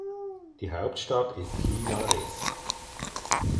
Die Hauptstadt ist Linares.